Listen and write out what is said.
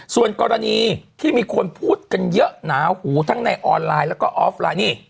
ส่วนกรณีที่มีคนพูดกันเยอะหนาหูทั้งในออนไลน์แล้วก็ออฟไลน์นี่